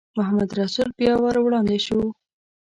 محمدرسول بیا ور وړاندې شو.